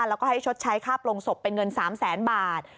แล้วก็ให้ชดใช้ค่าโปรงศพเป็นเงิน๓แสนบาท